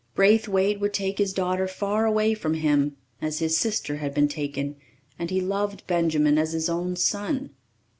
Braithwaite would take his daughter far away from him, as his sister had been taken, and he loved Benjamin as his own son.